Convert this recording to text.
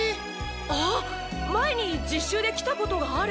あっ前に実習で来たことがある。